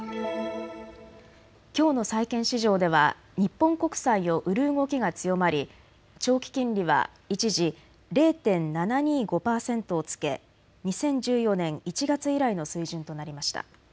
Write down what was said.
きょうの債券市場では日本国債を売る動きが強まり長期金利は一時０．７２５％をつけ、２０１４年１月以来の水準となりました。